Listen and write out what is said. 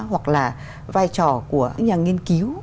hoặc là vai trò của những nhà nghiên cứu